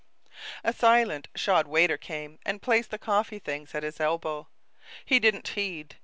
A silent shod waiter came and placed the coffee things at his elbow. He didn't heed.